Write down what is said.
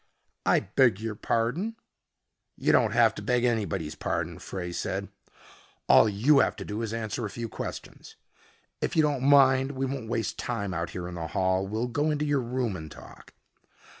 "I beg your pardon " "You don't have to beg anybody's pardon," Frey said. "All you have to do is answer a few questions. If you don't mind we won't waste time out here in the hall. We'll go into your room and talk."